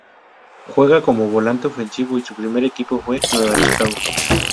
Juega como volante ofensivo y su primer equipo fue Nueva Chicago.